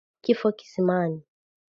Kifo kisimani.